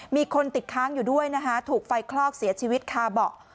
มีคนติดค้างอยู่ด้วยนะคะถูกไฟคลอกเสียชีวิตคาเบาะ